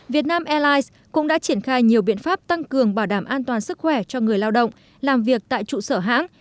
việt nam airlines cũng đã triển khai nhiều biện pháp tăng cường bảo đảm an toàn sức khỏe cho người lao động làm việc tại trụ sở hãng